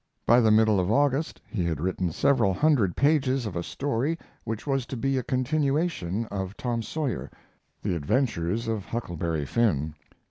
By the middle of August he had written several hundred pages of a story which was to be a continuation of Tam Sawyer The Adventures of Huckleberry Finn.